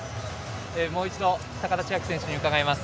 もう一度高田千明選手に伺います。